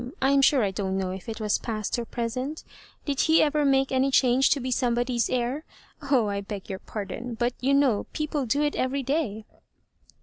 I am sure I don't know if it was past or present Did he ever make any change to be somebody's heir? Oh, I beg your pardon ; but you know people do it every day."